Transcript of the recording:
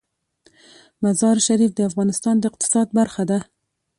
مزارشریف د افغانستان د اقتصاد برخه ده.